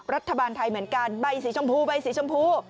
รัฐบาลไทยเหมือนกันใบสีชมพูใบสีชมพู